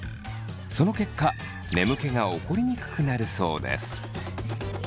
その結果眠気が起こりにくくなるそうです。